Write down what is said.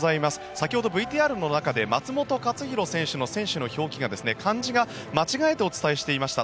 先ほどＶＴＲの中で松元克央選手の選手の表記が、漢字が間違えてお伝えしていました。